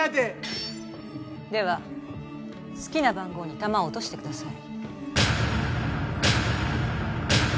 では好きな番号に玉を落としてください。